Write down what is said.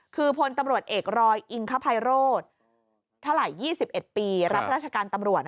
คือพลตำรวจเอกรอยอิงคภัยโรธเท่าไหร่๒๑ปีรับราชการตำรวจ